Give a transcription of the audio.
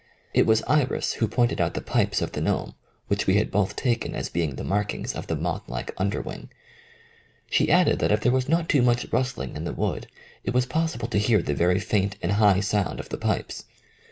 It was Iris who pointed out the pipes of the gnome, which we had both taken as being the markings of 52 THE FIRST PUBLISHED ACCOUNT the moth like under wing. She added that if there was not too much rustling in the wood it was possible to hear the very faint and high sound of the pipes.